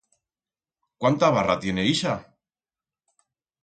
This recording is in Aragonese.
Cuánta barra tiene ixa?